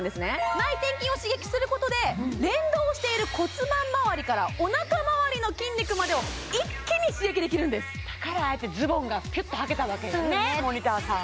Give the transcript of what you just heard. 内転筋を刺激することで連動している骨盤周りからお腹周りの筋肉までを一気に刺激できるんですだからああやってズボンがキュッとはけたわけやねモニターさん